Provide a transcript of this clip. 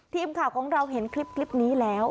ทีมข่าวของเราเห็นคลิปนี้แล้ว